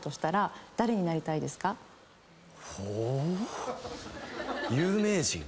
ほ？有名人？